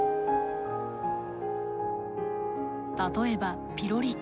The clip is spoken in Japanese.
例えばピロリ菌。